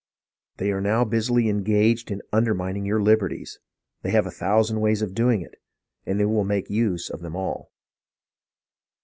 They are now busily engaged in undermin ing your liberties. They have a thousand ways of doing it, and they make use of them all.